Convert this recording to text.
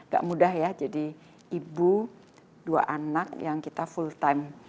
gak mudah ya jadi ibu dua anak yang kita full time